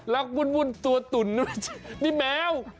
วุ่นตัวตุ๋นนี่แมว